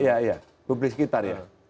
iya publik sekitar ya